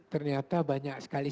ternyata banyak sekali